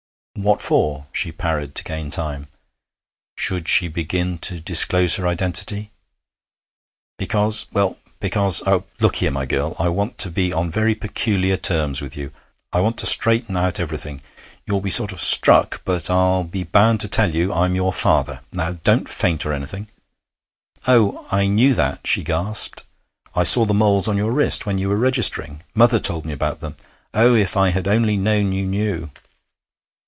'What for?' she parried, to gain time. Should she begin to disclose her identity? 'Because well, because oh, look here, my girl, I want to be on very peculiar terms with you. I want to straighten out everything. You'll be sort of struck, but I'll be bound to tell you I'm your father. Now, don't faint or anything.' 'Oh, I knew that!' she gasped. 'I saw the moles on your wrist when your were registering mother told me about them. Oh, if I had only known you knew!'